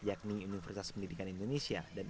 yakni universitas pendidikan indonesia dan